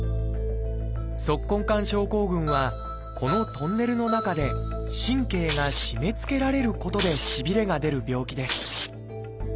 「足根管症候群」はこのトンネルの中で神経が締めつけられることでしびれが出る病気です。